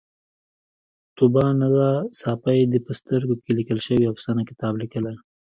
طوبا ندا ساپۍ د په سترګو کې لیکل شوې افسانه کتاب لیکلی